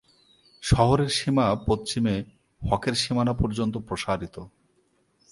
শহরের সীমা পশ্চিমে হকের সীমানা পর্যন্ত প্রসারিত।